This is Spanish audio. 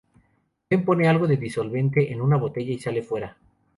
Ben pone algo de disolvente en una botella y sale fuera.